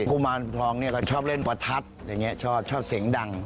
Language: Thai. กุมารทองเนี่ยก็ชอบเล่นประทัดอย่างนี้ชอบชอบเสียงดัง